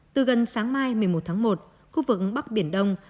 từ gần sáng mai một mươi một tháng một khu vực bắc biển đông